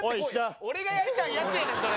俺がやりたいやつや、それ。